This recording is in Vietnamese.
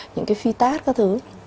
những cái phi tát các thứ